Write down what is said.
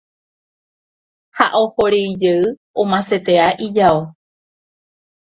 Ha ohorei jey omasetea ijao.